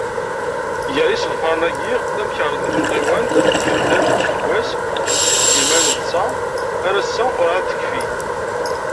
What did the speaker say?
Gar yisenfaren-agi, tamkerḍit n tɣiwant yebdan deg useggas n sin yigiman d ṣa, ar ass-a urεad tekfi.